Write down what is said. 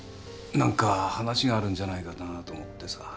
何か話があるんじゃないかなぁと思ってさ。